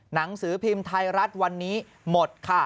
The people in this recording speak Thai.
หนังสือพิมพ์ไทยรัฐวันนี้หมดค่ะ